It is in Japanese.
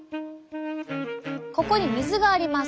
ここに水があります。